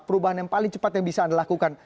perubahan yang paling cepat yang bisa anda lakukan